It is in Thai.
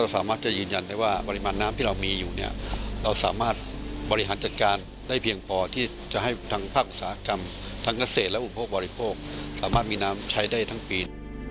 สามารถบาริหารจัดการได้เพียงพอที่จะให้ทางภาคอุตสาหกรรมทางเกษตรและอุโปรกบริโภคสามารถมีน้ำใช้ได้ทั้งปี